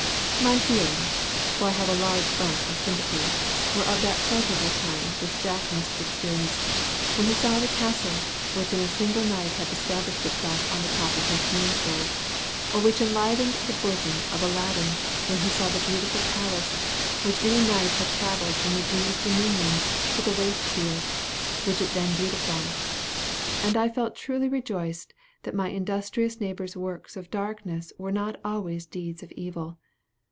My feelings, (for I have a large bump of sympathy) were of that pleasurable kind which Jack must have experienced, when he saw the castle, which in a single night had established itself on the top of his bean pole; or which enlivened the bosom of Aladdin, when he saw the beautiful palace, which in a night had travelled from the genii's dominions to the waste field, which it then beautified; and I felt truly rejoiced that my industrious neighbor's works of darkness were not always deeds of evil.